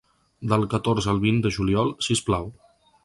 Del catorze al vint de juliol si us plau.